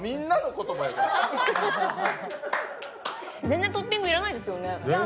全然トッピング要らないですよね。